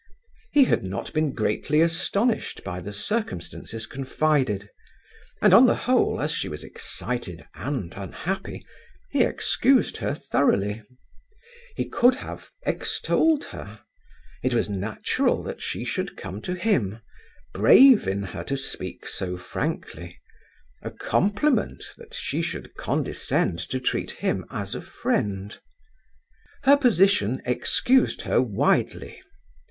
He had not been greatly astonished by the circumstances confided; and, on the whole, as she was excited and unhappy, he excused her thoroughly; he could have extolled her: it was natural that she should come to him, brave in her to speak so frankly, a compliment that she should condescend to treat him as a friend. Her position excused her widely.